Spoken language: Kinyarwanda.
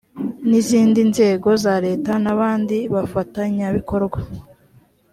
n izindi nzego za leta n abandi bafatanyabikorwa